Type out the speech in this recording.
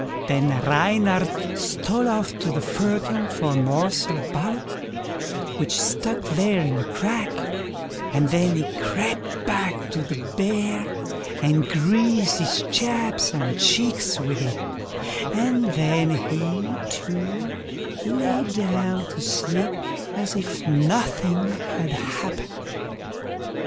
Then Reynard stole off to the firkin for a morsel of butter, which stuck there in a crack, and then he crept back to the Bear, and greased his chaps and cheeks with it; and then he, too, lay down to sleep as if nothing had happened.